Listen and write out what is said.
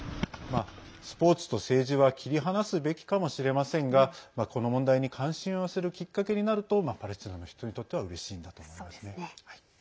スポーツと政治は切り離すべきかもしれませんがこの問題に関心を寄せるきっかけになるとパレスチナの人にとってはうれしいんだと思いますね。